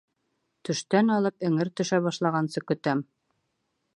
Төштән алып эңер төшә башлағансы көтәм.